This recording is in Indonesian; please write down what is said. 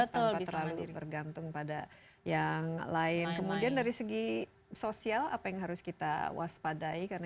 tanpa terlalu bergantung pada yang lain kemudian dari segi sosial apa yang harus kita waspadai karena